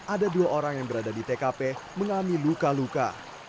ada dua orang yang berada di tkp mengalami luka luka